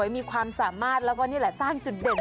มีความสามารถแล้วก็นี่แหละสร้างจุดเด่น